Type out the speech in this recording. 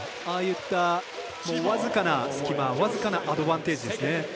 ああいった僅かな隙間僅かなアドバンテージですね。